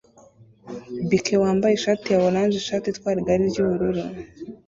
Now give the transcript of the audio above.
Biker wambaye ishati ya orange ishati itwara igare ryubururu